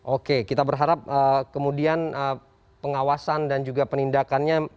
oke kita berharap kemudian pengawasan dan juga penindakannya